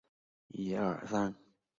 房间里全部都是关于爱情的书籍。